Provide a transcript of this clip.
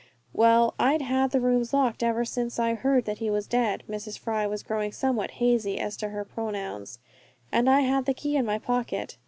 "Well, I'd had the rooms locked ever since I heard that he was dead." Mrs. Fry was growing somewhat hazy as to her pronouns. "And I had the key in my pocket.